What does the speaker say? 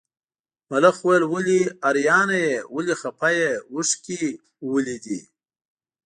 ملخ وویل ولې حیرانه یې ولې خپه یې اوښکي ولې دي.